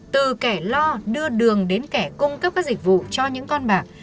từ kẻ lo đưa đường đến kẻ cung cấp các dịch vụ cho những con bạc